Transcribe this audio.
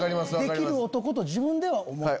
できる男と自分では思ってる。